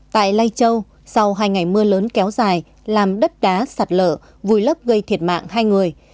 tại lai châu sau hai ngày mưa lớn kéo dài làm đất đá sạt lở vùi lấp gây thiệt mạng hai người